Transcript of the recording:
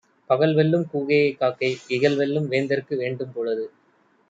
பகல்வெல்லும் கூகையைக் காக்கை, இகல்வெல்லும் வேந்தர்க்கு வேண்டும் பொழுது.